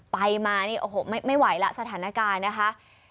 ไปมานี่โอ้โหไม่ไหวแล้วสถานการณ์นะคะ